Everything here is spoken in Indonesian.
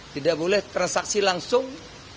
ini dia yang boleh transaksi langsung